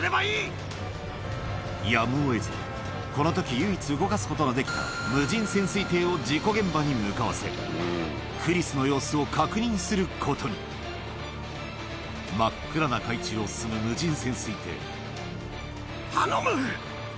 やむを得ずこの時唯一動かすことができた無人潜水艇を事故現場に向かわせクリスの様子を確認することに真っ暗な海中を進む無人潜水艇